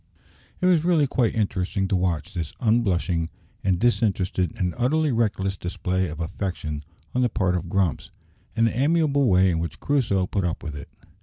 It was really quite interesting to watch this unblushing, and disinterested, and utterly reckless display of affection on the part of Grumps, and the amiable way in which Crusoe put up with it.